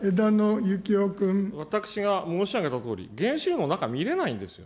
私が申し上げたとおり、原子炉の中、見れないんですよ。